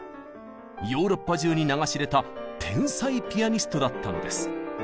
ヨーロッパ中に名が知れた天才ピアニストだったのです。